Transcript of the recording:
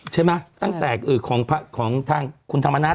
ใช่ไหมตั้งแต่ของทางคุณธรรมนัฐ